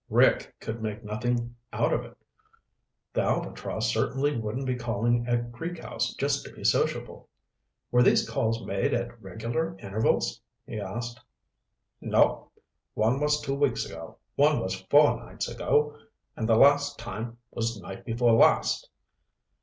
Rick could make nothing out of it. The Albatross certainly wouldn't be calling at Creek House just to be sociable. "Were these calls made at regular intervals?" he asked. "Nope. One was two weeks ago, one was four nights ago, and the last time was night before last."